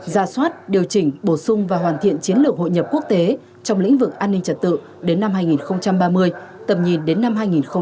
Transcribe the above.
ra soát điều chỉnh bổ sung và hoàn thiện chiến lược hội nhập quốc tế trong lĩnh vực an ninh trật tự đến năm hai nghìn ba mươi tầm nhìn đến năm hai nghìn bốn mươi năm